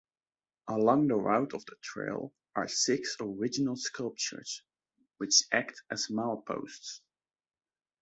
Along the route of the Trail are six original sculptures which act as mileposts.